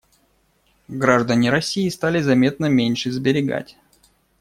Граждане России стали заметно меньше сберегать.